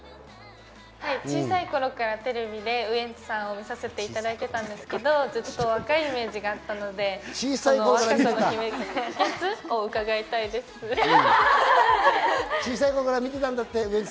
小さい頃からテレビでウエンツさんを見させていただいていたんですけど、ずっと若いイメージがあったので、小さい頃から見てたんだって！